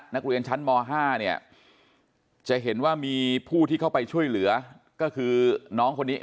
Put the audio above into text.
นักเรียนชั้นม๕เนี่ยจะเห็นว่ามีผู้ที่เข้าไปช่วยเหลือก็คือน้องคนนี้